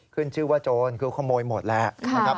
ขึ้นชื่อว่าโจรคือขโมยหมดแล้วนะครับ